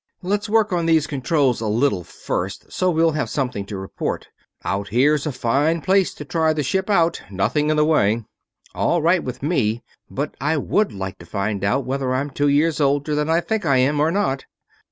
"Let's work on these controls a little first, so we'll have something to report. Out here's a fine place to try the ship out nothing in the way." "All right with me. But I would like to find out whether I'm two years older than I think I am, or not!"